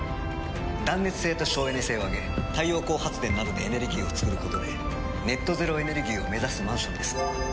断熱性と省エネ性を上げ太陽光発電などでエネルギーを創ることでネット・ゼロ・エネルギーを目指すマンションです。